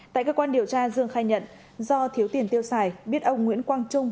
tại cơ quan điều tra dương khai nhận do thiếu tiền tiêu xài biết ông nguyễn quang trung